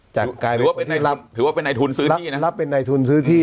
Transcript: จากกายหรือว่าเป็นในรับหรือว่าเป็นในทุนซื้อที่นะรับเป็นในทุนซื้อที่